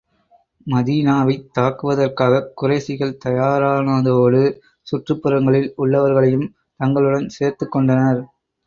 மதீனாவைத் தாக்குவதற்காகக் குறைஷிகள் தயாரானதோடு, சுற்றுப்புறங்களில் உள்ளவர்களையும் தங்களுடன் சேர்த்துக் கொண்டனர்.